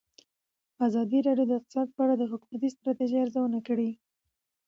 ازادي راډیو د اقتصاد په اړه د حکومتي ستراتیژۍ ارزونه کړې.